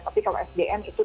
tapi kalau sdm itu